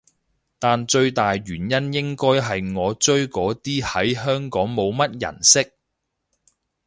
但最大原因應該係我追嗰啲喺香港冇乜人識